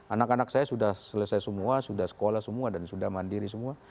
anak anak saya sudah selesai semua sudah sekolah semua dan sudah mandiri semua